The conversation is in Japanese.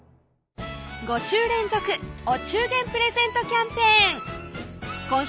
５週連続お中元プレゼントキャンペーン